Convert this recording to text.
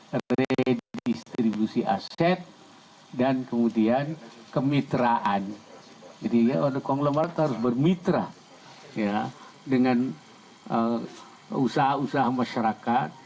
harganet kristian dari dan kemudian kemitraan di mah damage ya dengan al ousa usaha masyarakat